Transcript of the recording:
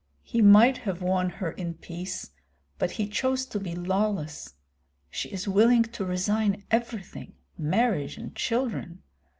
He might have won her in peace, but he chose to be lawless. She is willing to resign everything, marriage and children.